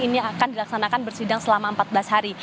ini akan dilaksanakan bersidang selama empat belas hari